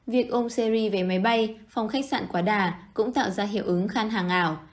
việc ôm series về máy bay phòng khách sạn quá đà cũng tạo ra hiệu ứng khan hàng ảo